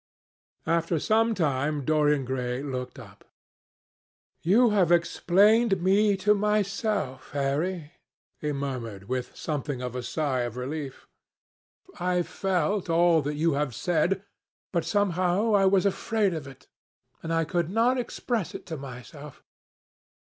After some time Dorian Gray looked up. "You have explained me to myself, Harry," he murmured with something of a sigh of relief. "I felt all that you have said, but somehow I was afraid of it, and I could not express it to myself.